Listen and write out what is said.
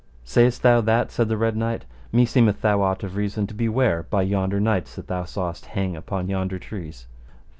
Sayst thou that? said the Red Knight, meseemeth thou ought of reason to be ware by yonder knights that thou sawest hang upon yonder trees.